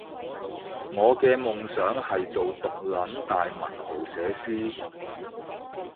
我嘅夢想係做毒撚大文豪寫詩